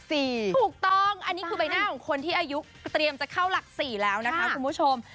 ถูกต้องอันนี้คือใบหน้าของคนที่อายุเตรียมจะเข้าหลัก๔แล้วนะคะคุณผู้ชม